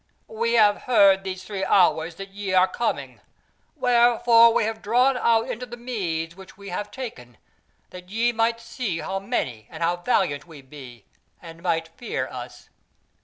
we have heard these three hours that ye were coming, wherefore we have drawn out into the meads which we have taken, that ye might see how many and how valiant we be, and might fear us.